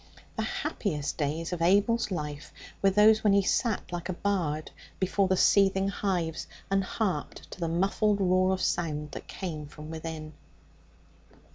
The happiest days of Abel's life were those when he sat like a bard before the seething hives and harped to the muffled roar of sound that came from within.